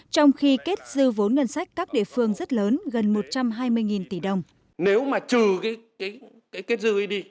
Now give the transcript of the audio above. trong khi kết dư vốn ngân sách các địa phương rất lớn gần một trăm hai mươi tỷ đồng